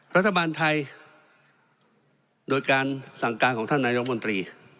รัฐบาลไทยโดยการสั่งการของท่านนายกมนตรี